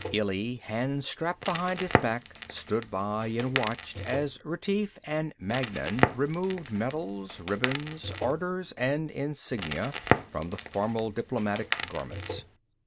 Illy, hands strapped behind his back, stood by and watched as Retief and Magnan removed medals, ribbons, orders and insignia from the formal diplomatic garments.